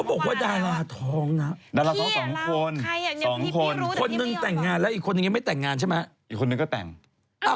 พูดร้อนกระทะนะคุณสาวนี้พูดร้อนกระทะ